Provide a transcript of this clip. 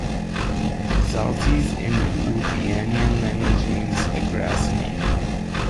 Zaltys in Lithuanian language means a grass-snake.